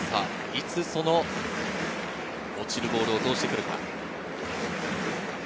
いつその落ちるボールを投じてくるか？